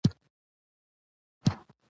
تر هغه وړاندې چې د دغو اصولو جزياتو ته ورشو.